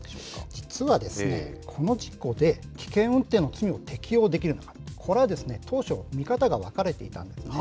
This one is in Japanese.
実はですね、この事故で、危険運転の罪を適用できるのか、これはですね、当初、見方が分かれていたんですね。